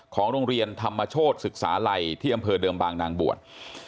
ของโรงเรียนธรรมโชธศึกษาลัยที่อำเภอเดิมบางนางบวช